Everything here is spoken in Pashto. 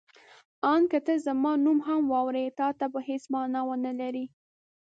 آن که ته زما نوم هم واورې تا ته به هېڅ مانا ونه لري.